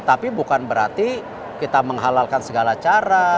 tapi bukan berarti kita menghalalkan segala cara